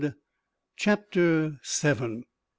CHAPTER SEVEN.